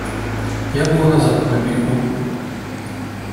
Я был и на Западном берегу.